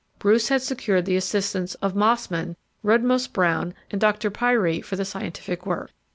Bruce had secured the assistance of Mossman, Rudmose Brown and Dr. Pirie for the scientific work.